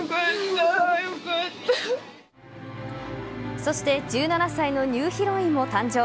そして１７歳のニューヒロインも誕生。